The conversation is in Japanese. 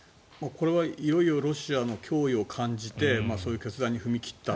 これはいよいよロシアの脅威を感じてそういう決断に踏み切った。